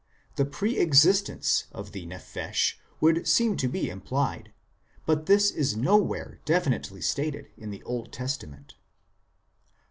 The pre existence of the nephesh would seem to be implied ; but this is nowhere definitely stated in the Old Testament.